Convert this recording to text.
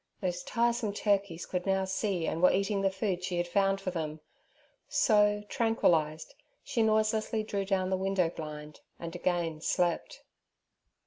Those tiresome turkeys could now see and were eating the food she had found for them; so, tranquillized, she noiselessly drew down the window blind and again slept.